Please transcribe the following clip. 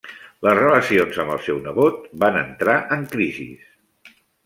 Les relacions amb el seu nebot van entrar en crisis.